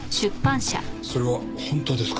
それは本当ですか？